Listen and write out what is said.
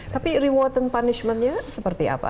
tapi reward and punishmentnya seperti apa